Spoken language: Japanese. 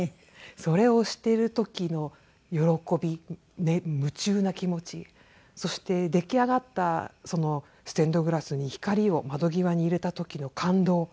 それをしている時の喜び夢中な気持ちそして出来上がったステンドグラスに光を窓際に入れた時の感動。